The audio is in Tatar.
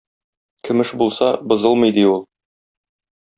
Көмеш булса, бозылмый, ди ул.